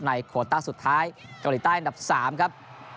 โคต้าสุดท้ายเกาหลีใต้อันดับ๓ครับ